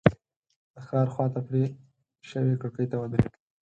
د ښار خواته پرې شوې کړکۍ ته ودرېد.